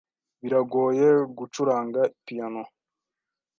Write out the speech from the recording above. Biragoye gucuranga piyano.